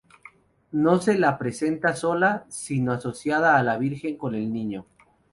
No se la representa sola, sino asociada a la virgen con el niño.